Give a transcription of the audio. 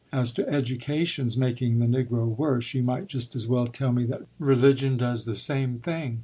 As to education's making the Negro worse, you might just as well tell me that religion does the same thing.